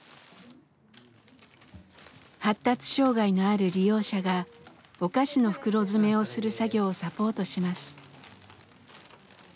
発達障害のある利用者がお菓子の袋詰めをする作業をサポートします。